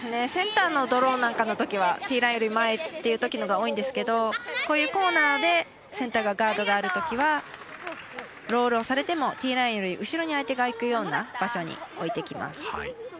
センターのドローなんかのときはティーラインより前のほうが多いんですがこういうコーナーでセンターがガードがあるときはロールをされてもティーラインより後ろにいくような位置に置いてきます。